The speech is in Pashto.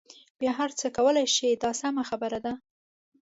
بیا هر څه کولای شئ دا سمه خبره ده.